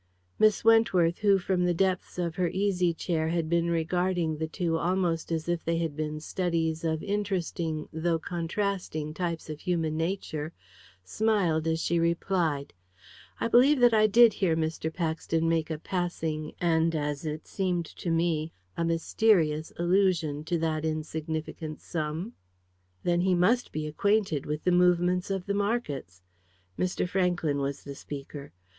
Miss Wentworth, who from the depths of her easy chair had been regarding the two almost as if they had been studies of interesting, though contrasting, types of human nature, smiled as she replied "I believe that I did hear Mr. Paxton make a passing and, as it seemed to me, a mysterious allusion to that insignificant sum." "Then he must be acquainted with the movements of the markets." Mr. Franklyn was the speaker.